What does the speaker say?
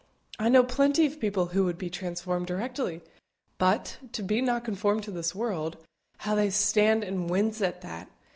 I know plenty of people who would be transformed directly; but, to be not conformed to this world how they stand and wince at that!